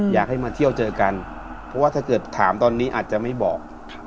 อยากให้มาเที่ยวเจอกันเพราะว่าถ้าเกิดถามตอนนี้อาจจะไม่บอก